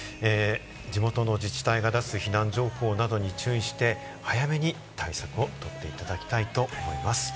地元の自治体が出す避難情報などに注意して早めに対策をとっていただきたいと思います。